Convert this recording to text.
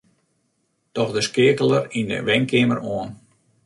Doch de skeakeler yn 'e wenkeamer oan.